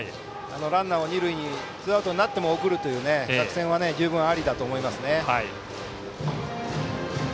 ランナーを二塁にツーアウトになっても送るという作戦は十分ありだと思います。